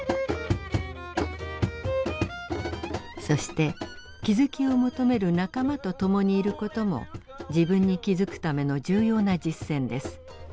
そして気づきを求める仲間と共にいる事も「自分に気づく」ための重要な実践です。